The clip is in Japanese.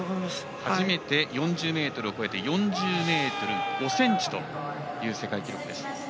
初めて４０ｍを超えて４０ｍ５ｃｍという世界記録でした。